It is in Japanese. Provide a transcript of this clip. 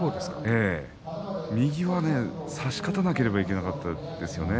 右はね、差し勝たなければいけなかったですね。